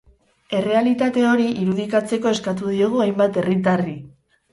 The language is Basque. Errealitate hori irudikatzeko eskatu diogu hainbat herritarri.